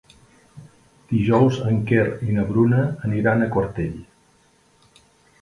Dijous en Quer i na Bruna aniran a Quartell.